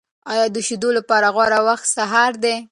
آیا د شیدو لپاره غوره وخت سهار دی؟